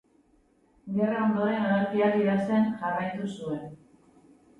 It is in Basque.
Gerra ondoren olerkiak idazten jarraitu zuen.